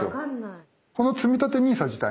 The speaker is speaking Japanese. このつみたてＮＩＳＡ自体ね